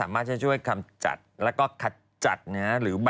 ไม่เป็นยังหรอกไม่รู้